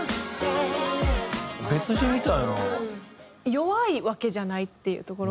弱いわけじゃないっていうところ。